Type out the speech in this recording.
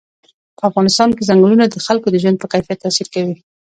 په افغانستان کې ځنګلونه د خلکو د ژوند په کیفیت تاثیر کوي.